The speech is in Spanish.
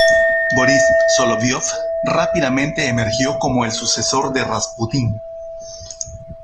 Borís Soloviov rápidamente emergió como el sucesor de Rasputín.